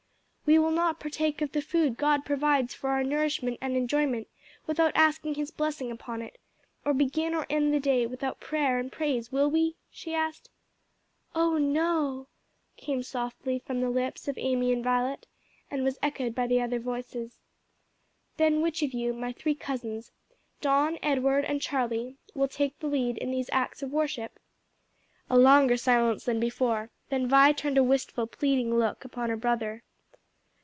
"We will not partake of the food God provides for our nourishment and enjoyment without asking his blessing upon it, or begin or end the day without prayer and praise, will we?" she asked. "Oh no!" came softly from the lips of Amy and Violet, and was echoed by the other voices. "Then which of you, my three cousins, Don, Edward, and Charlie, will take the lead in these acts of worship?" A longer silence than before; then Vi turned a wistful, pleading look upon her brother.